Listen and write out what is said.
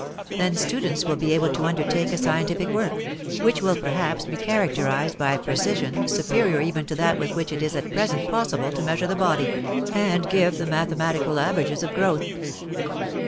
Then students will be able to undertake a scientific work, which will perhaps be characterized by a precision superior even to that with which it is at present possible to measure the body, and give the mathematical averages of growth.